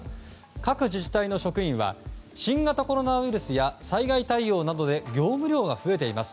各自治体の職員は新型コロナウイルスや災害対応などで業務量が増えています。